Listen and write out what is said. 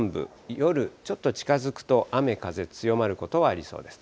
夜ちょっと近づくと、雨風強まることはありそうです。